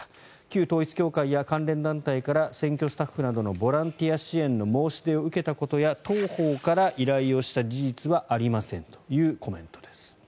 旧統一教会や関連団体から選挙スタッフなどのボランティア支援の申し出を受けたことや当方から依頼をした事実はありませんというコメントです。